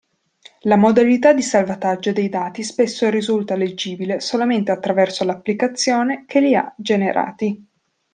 La modalità di salvataggio dei dati spesso risulta leggibile solamente attraverso l'applicazione che li ha generati.